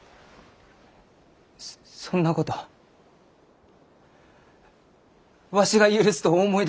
そそんなことわしが許すとお思いですか？